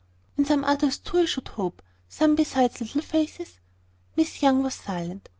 "And some others too, I should hope; some besides little faces?" Miss Young was silent.